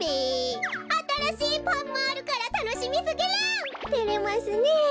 あたらしいパンもあるからたのしみすぎる！